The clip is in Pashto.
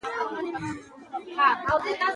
افغانستان په یاقوت باندې تکیه لري.